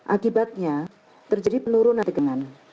akibatnya terjadi penurunan tegangan